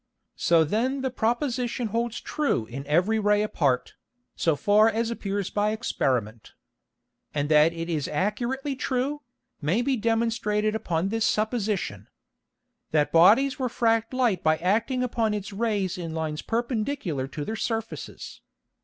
So then the Proposition holds true in every Ray apart, so far as appears by Experiment. And that it is accurately true, may be demonstrated upon this Supposition. _That Bodies refract Light by acting upon its Rays in Lines perpendicular to their Surfaces.